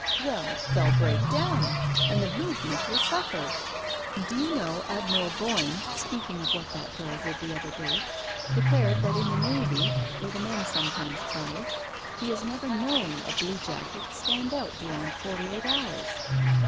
" Well, they'll break down, and the Movement will AT THE WEEK END COTTAGE 153 suffer. Do you know Admiral Boyne, speaking of what that girl did the other day, declared that in the navy, where the men sometimes try it, he has never known a ' blue jacket ' stand out beyond forty eight hours."